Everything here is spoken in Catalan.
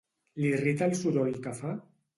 L'irrita el soroll que fa?